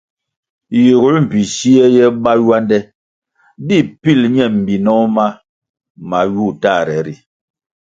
Yiguer mbpi siè ye bá ywande di pil ñe mbinoh ma mayu tahre ri.